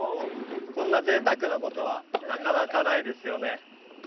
こんな贅沢なことはなかなかないですよね